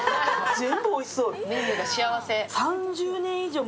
全部おいしそう。